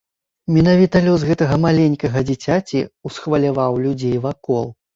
Менавіта лёс гэтага маленькага дзіцяці ўсхваляваў людзей вакол.